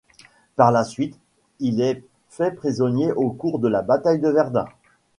Par la suite, il est fait prisonnier au cours de la bataille de Verdun.